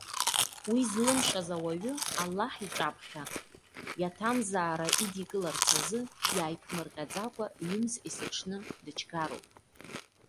Уи злымшаз ауаҩы, Аллаҳ иҿаԥхьа, иаҭамзаара идикыларц азы, иааиԥмырҟьаӡакәа ҩымз есыҽны дычгароуп.